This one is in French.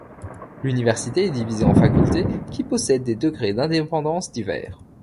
L’université est divisée en facultés, qui possèdent des degrés d’indépendance divers.